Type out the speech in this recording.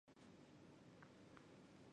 山棕榈为棕榈科棕榈属下的一个种。